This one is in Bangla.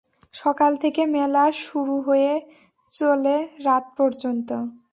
সকাল থেকে মেলা শুরু হয়ে চলে রাত পর্যন্ত।